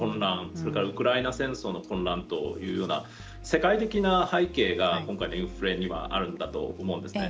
それからウクライナ戦争の混乱というような世界的な背景が今回のインフレにはあるんだと思うんですね。